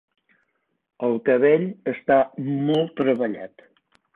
El cabell està molt treballat.